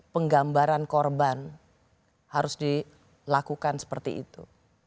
penggambaran korban harus dilakukan seperti itu